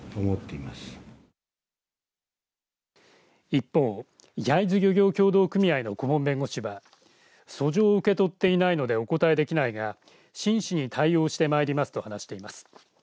一方、焼津漁業協同組合の顧問弁護士は訴状を受け取っていないのでお答えできないが真摯に対応してまいりますと話しています。